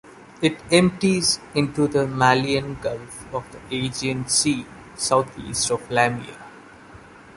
It empties into the Malian Gulf of the Aegean Sea southeast of Lamia.